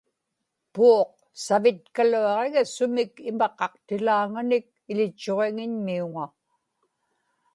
puuq savitkaluaġiga sumik imaqaqtilaaŋanik iḷitchuġiŋiñmiuŋa